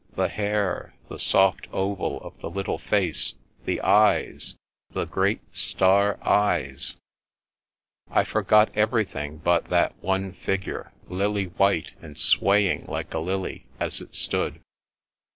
The hair; the soft oval of the little face; the eyes— the great, star eyes ! I forgot everything but that one figure, lily white, and swaying like a lily, as it stood.